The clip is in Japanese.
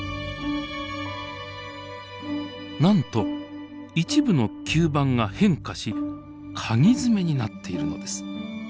なんと一部の吸盤が変化しかぎ爪になっているのです。